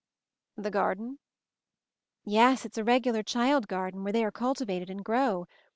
"The Garden ?" "Yes; it's a regular Child Garden, where they are cultivated and grow!